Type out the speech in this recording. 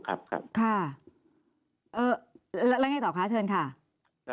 แล้วยังไงต่อคะเชิญค่ะ